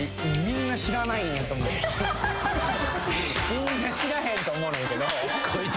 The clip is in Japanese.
みんな知らへんと思うねんけど。